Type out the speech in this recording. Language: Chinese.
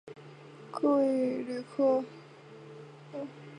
各位旅客请系好你的安全带